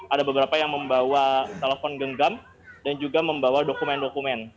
ada beberapa yang membawa telepon genggam dan juga membawa dokumen dokumen